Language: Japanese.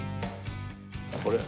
これ？